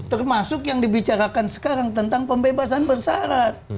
termasuk yang dibicarakan sekarang tentang pembebasan bersarat